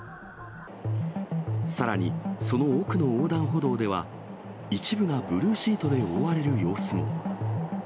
さらに、その奥の横断歩道では、一部がブルーシートで覆われる様子も。